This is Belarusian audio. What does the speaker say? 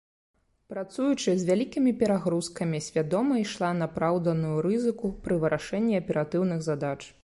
Працуючы з вялікімі перагрузкамі, свядома ішла на апраўданую рызыку пры вырашэнні аператыўных задач.